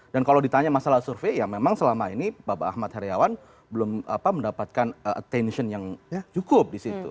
kalau ditanya masalah survei ya memang selama ini bapak ahmad heriawan belum mendapatkan attention yang cukup di situ